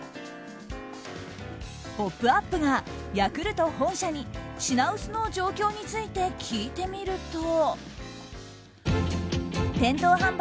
「ポップＵＰ！」がヤクルト本社に品薄の状況について聞いてみると。